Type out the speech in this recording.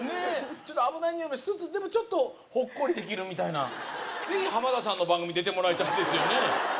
ちょっと危ないニオイもしつつでもちょっとほっこりできるみたいなぜひ浜田さんの番組出てもらいたいですよね